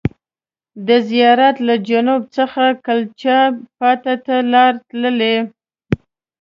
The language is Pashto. د زیارت له جنوب څخه کلچا بات ته لار تللې.